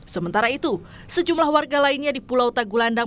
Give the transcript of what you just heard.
sementara itu sejumlah warga lainnya di pulau tagulandang